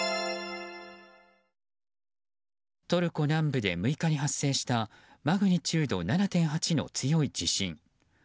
トルコ南部で６日に発生したマグニチュード７．８の強い地震。